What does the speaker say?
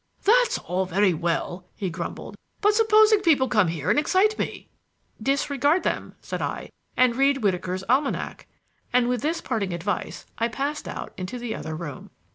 "That's all very well," he grumbled, "but supposing people come here and excite me?" "Disregard them," said I, "and read Whitaker's Almanack." And with this parting advice I passed out into the other room.